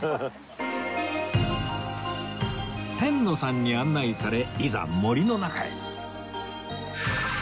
天野さんに案内されいざ森の中へ